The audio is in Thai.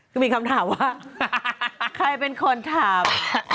คือมีคำถามว่าใครเป็นคนถาม